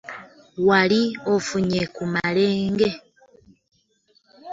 Wali ofuye ku malenge?